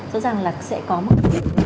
rõ ràng là sẽ có mức